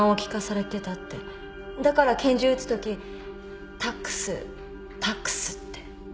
だから拳銃撃つとき「タックスタックス」って。